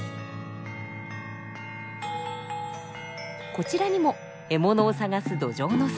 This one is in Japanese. こちらにも獲物を探すドジョウの姿。